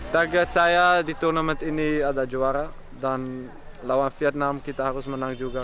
target saya di turnamen ini ada juara dan lawan vietnam kita harus menang juga